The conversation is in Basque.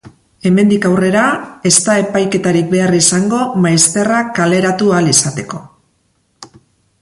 Hemendik aurrera, ez da epaiketarik behar izango maizterrak kaleratu ahal izateko.